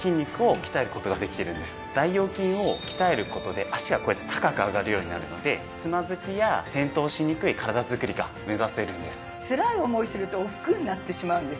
大腰筋を鍛える事で脚がこうやって高く上がるようになるのでつまずきや転倒しにくい体作りが目指せるんです。